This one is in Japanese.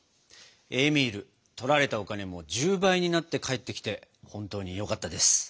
エーミールとられたお金も１０倍になって返ってきて本当によかったです。